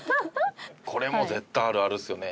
これも絶対あるあるですよね。